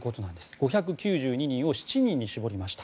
５９２人を７人に絞りました。